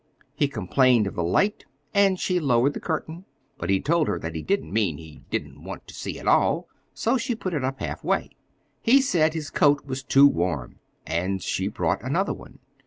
He complained of the light, and she lowered the curtain; but he told her that he didn't mean he didn't want to see at all, so she put it up halfway. He said his coat was too warm, and she brought another one.